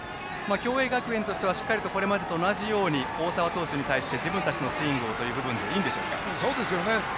共栄学園としてはこれまでと同じように大沢投手に対して自分たちのスイングをということでいいでしょうか。